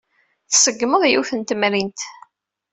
Tṣeggmeḍ yiwet n temrint.